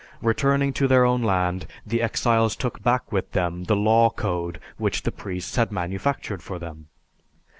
Returning to their own land, the exiles took back with them the law code which the priests had manufactured for them.